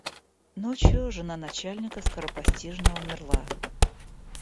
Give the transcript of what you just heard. Ночью жена начальника скоропостижно умерла.